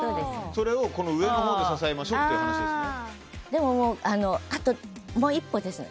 それを上のほうで支えましょうという話ですね。